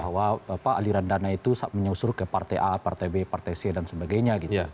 bahwa aliran dana itu menyusul ke partai a partai b partai c dan sebagainya